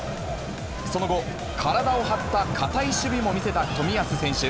その後、体を張った堅い守備も見せた冨安選手。